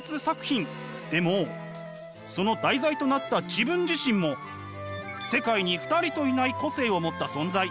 でもその題材となった自分自身も世界に２人といない個性を持った存在。